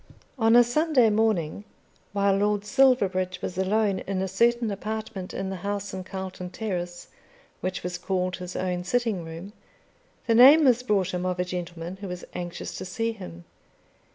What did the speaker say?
On a Sunday morning, while Lord Silverbridge was alone in a certain apartment in the house in Carlton Terrace which was called his own sitting room, the name was brought him of a gentleman who was anxious to see him.